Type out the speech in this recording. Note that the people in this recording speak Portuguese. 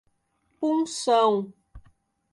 Punção